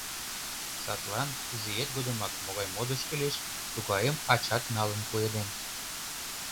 Садлан изиэт годымак могай модыш кӱлеш, тугайым ачат налын пуэден.